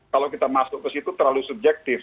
kalau kita masuk ke situ terlalu subjektif